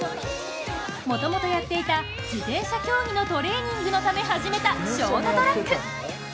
もともとやっていた自転車競技のトレーニングのため始めたショートトラック。